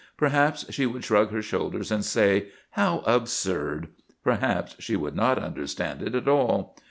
Perhaps she would shrug her shoulders and say, "How absurd!" Perhaps she would not understand it at all.